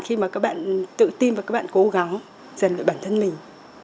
khi mà các bạn tự tin và các bạn cố gắng dành cho bản thân mình